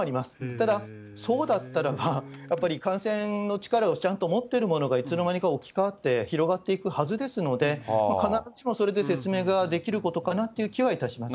ただ、そうだったらば、やっぱり感染の力をちゃんと持っているものが、いつのまにか置き換わって、広がっていくはずですので、必ずしもそれで説明ができることかなっていう気はいたします。